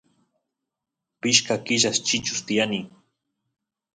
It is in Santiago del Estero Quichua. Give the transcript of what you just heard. pishka killas chichus tiyani